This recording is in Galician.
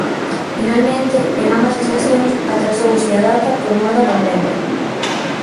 Finalmente, en ambas as nacións atrasouse a data por mor da pandemia.